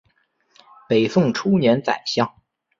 北宋初年宰相。